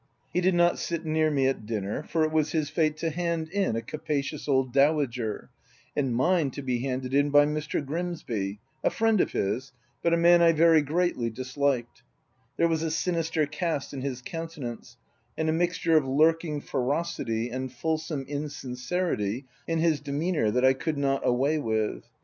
He did not sit near me at dinner ; for it was his fate to hand in a capacious old dowager, and mine to be handed in by Mr. Grimsby, a friend of his, but a man I very greatly disliked : there was a sinister cast in his countenance, and a mixture of lurking ferocity and fulsome insincerity in his demeanour, that I could not away with.